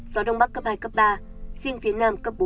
gió đông bắc cấp hai ba riêng phía nam cấp bốn năm